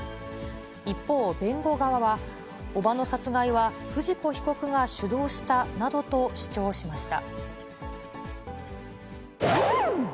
一方、弁護側は、伯母の殺害は富士子被告が主導したなどと主張しました。